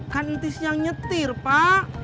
kan entis yang nyetir pak